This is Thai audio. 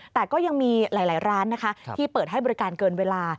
แต่ก็ยังมีหลายร้านนะคะที่เปิดให้บริการเกินเวลา